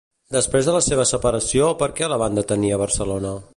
Després de la seva separació, per què la van detenir a Barcelona?